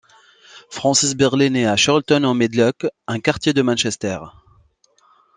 Francis Birley nait à Chorlton-on-Medlock, un quartier de Manchester.